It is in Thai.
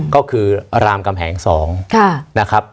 ก็คือรามกำแหง๒นะครับ